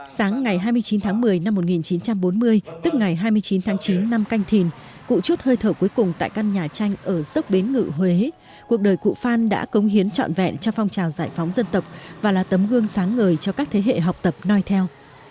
sáng ngày hai mươi chín tháng một mươi năm một nghìn chín trăm bốn mươi tức ngày hai mươi chín tháng chín năm canh thìn cụ chút hơi thở cuối cùng tại căn nhà tranh ở dốc bến ngự huế cuộc đời cụ phan đã cống hiến trọn vẹn cho phong trào giải phóng dân tộc và là tấm gương sáng ngời cho các thế hệ học tập noi theo